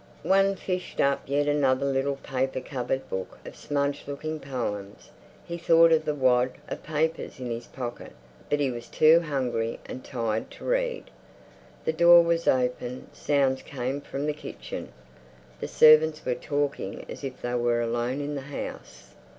One fished up yet another little paper covered book of smudged looking poems.... He thought of the wad of papers in his pocket, but he was too hungry and tired to read. The door was open; sounds came from the kitchen. The servants were talking as if they were alone in the house.